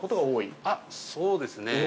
◆そうですね。